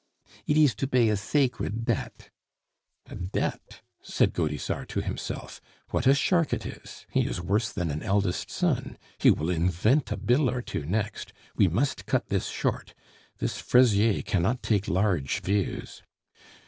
"It ees to bay a zacred debt." "A debt!" said Gaudissart to himself. What a shark it is! He is worse than an eldest son. He will invent a bill or two next! We must cut this short. This Fraisier cannot take large views.